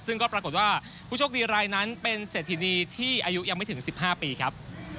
ซึ่งก็ปรากฏว่าผู้โชคดีรายนั้นเป็นเศรษฐินีที่อายุยังไม่ถึง๑๕ปีครับ